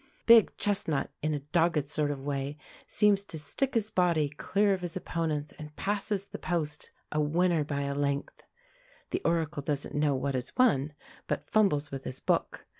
The big chestnut, in a dogged sort of way, seems to stick his body clear of his opponents, and passes the post a winner by a length. The Oracle doesn't know what has won, but fumbles with his book.